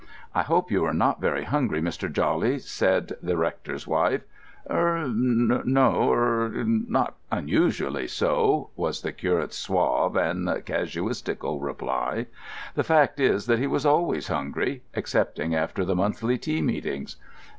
"I hope you are not very hungry, Mr. Jawley," said the rector's wife. "Er—no—er—not unusually so," was the curate's suave and casuistical reply. The fact is that he was always hungry, excepting after the monthly tea meetings.